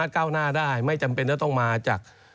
ก้าวหน้าได้ไม่จำเป็นจะต้องมาจาก